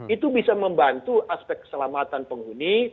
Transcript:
itu bisa membantu aspek keselamatan penghuni